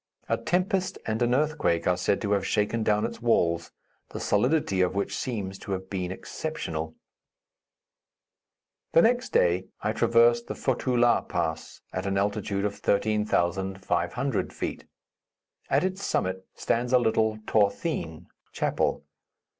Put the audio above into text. A tempest and an earthquake are said to have shaken down its walls, the solidity of which seems to have been exceptional. The next day I traversed the Fotu La Pass, at an altitude of 13,500 feet. At its summit stands a little t'horthene (chapel).